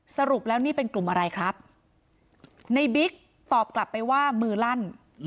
สรุปแล้วนี่เป็นกลุ่มอะไรครับในบิ๊กตอบกลับไปว่ามือลั่น